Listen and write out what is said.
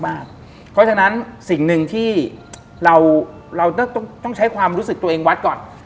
เพราะฉะนั้นสิ่งหนึ่งที่เราต้องใช้ความรู้สึกตัวเองวัดก่อน